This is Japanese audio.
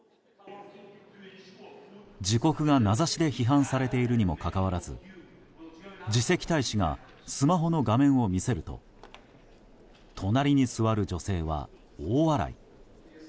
自国が名指しで批判されているにもかかわらず次席大使がスマホの画面を見せると隣に座る女性は大笑い。